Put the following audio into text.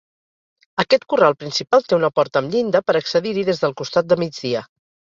Aquest corral principal té una porta amb llinda per accedir-hi des del costat de migdia.